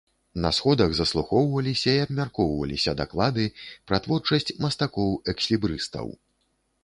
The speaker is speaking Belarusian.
На сходах заслухоўваліся і абмяркоўваліся даклады пра творчасць мастакоў-экслібрысістаў.